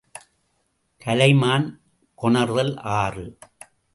கலைமான் கொணர்தல் ஆறு.